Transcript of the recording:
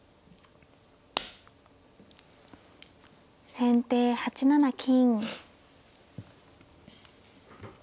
先手８七金。